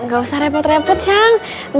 gak usah repot repot kang